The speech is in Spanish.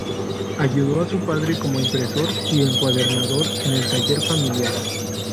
Ayudó a su padre como impresor y encuadernador en el taller familiar.